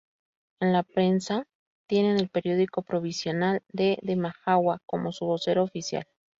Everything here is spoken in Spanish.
En la prensa tienen al periódico provincial La Demajagua como su vocero oficial.